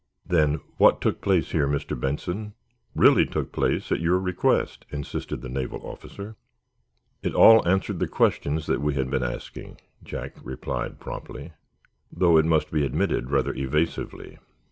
"Then what took place here, Mr. Benson, really took place at your request?" insisted the naval officer. "It all answered the questions that we had been asking," Jack replied, promptly, though, it must be admitted, rather evasively.